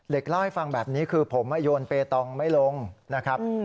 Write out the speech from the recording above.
เล่าให้ฟังแบบนี้คือผมโยนเปตองไม่ลงนะครับ